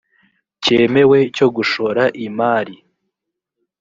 cyemewe cyo gushora imari